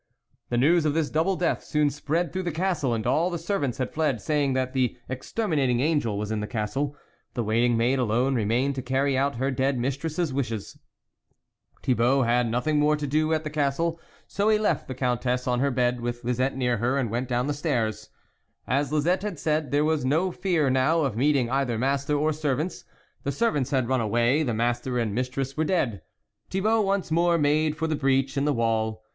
The news of this double death soon spread through the Castle, and all the servants had fled, saying that the exter minating Angel was in the Castle ; the waiting maid alone remained to carry out her dead mistress's wishes. Thibault had nothing more to do at the castle, so he left the Countess on her bed, with Lisette near her, and went down stairs. As Lisette had said, there was no fear now of meeting either master or servants ; the servants had run away, the master and mistress were dead. Thibault once more made for the breach in the wall.